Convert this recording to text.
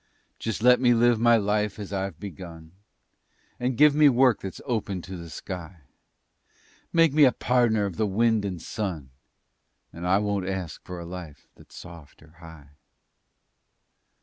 Just let me live my life as I've begun And give me work that's open to the sky; Make me a pardner of the wind and sun, And I won't ask a life that's soft or high.